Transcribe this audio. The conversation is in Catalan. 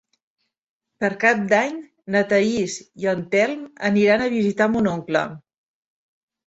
Per Cap d'Any na Thaís i en Telm aniran a visitar mon oncle.